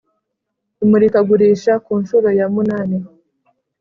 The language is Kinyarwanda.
Imurika gurisha kuncuro ya munani